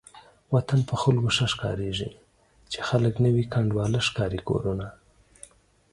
وطن په خلکو ښه ښکاريږي چې خلک نه وي کنډوالې ښکاري کورونه